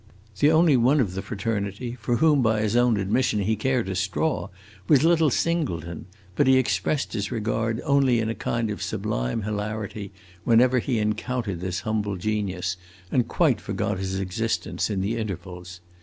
The only one of the fraternity for whom by his own admission he cared a straw was little Singleton; but he expressed his regard only in a kind of sublime hilarity whenever he encountered this humble genius, and quite forgot his existence in the intervals.